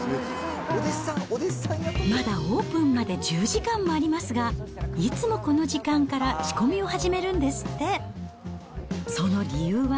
まだオープンまで１０時間もありますが、いつもこの時間から仕込みを始めるんですって。